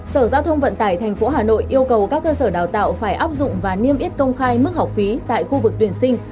sở giao thông vận tải tp hà nội yêu cầu các cơ sở đào tạo phải áp dụng và niêm yết công khai mức học phí tại khu vực tuyển sinh